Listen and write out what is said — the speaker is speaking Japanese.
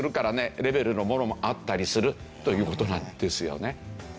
レベルのものもあったりするという事なんですよね。